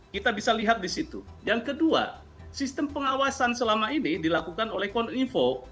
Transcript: kita bisa lihat di situ yang kedua sistem pengawasan selama ini dilakukan oleh koninfo